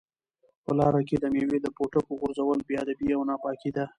په لاره کې د مېوې د پوټکو غورځول بې ادبي او ناپاکي ده.